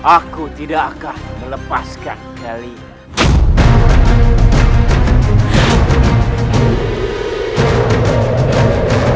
aku tidak akan melepaskan dalinya